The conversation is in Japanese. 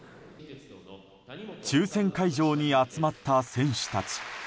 抽選会場に集まった選手たち。